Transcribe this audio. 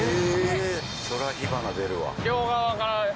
そりゃ火花出るわ。